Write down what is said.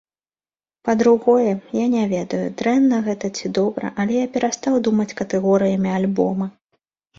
Па-другое, я не ведаю, дрэнна гэта ці добра, але я перастаў думаць катэгорыямі альбома.